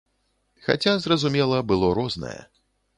Хаця, зразумела, было рознае.